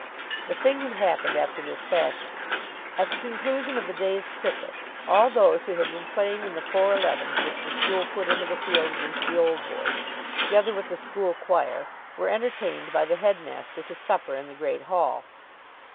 The thing had happened after this fashion. At the conclusion of the day's cricket, all those who had been playing in the four elevens which the school put into the field against the old boys, together with the school choir, were entertained by the headmaster to supper in the Great Hall.